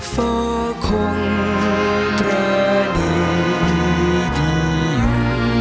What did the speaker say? เฝ้าคงแปลนี้ดีอยู่